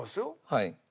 はい。